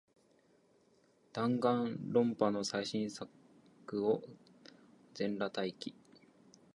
ダンガンロンパの最新作を、全裸待機